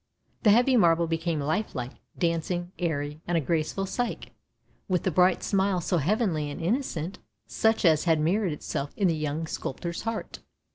The heavy marble became life like, dancing, airy, and a graceful Psyche, with the bright smile so heavenly and innocent, such as had mirrored itself in the young sculptor's heart.